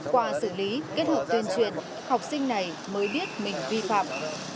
qua xử lý kết hợp tuyên truyền học sinh này mới biết mình vi phạm